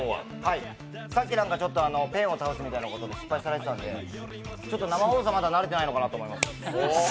さっきちょっとペンを倒すみたいなこと失敗されていたんで、生放送、まだ慣れてないのかなと思います。